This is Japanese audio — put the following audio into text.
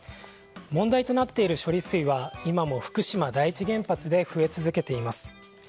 問題となっている処理水は今も福島第一原発で増え続けています。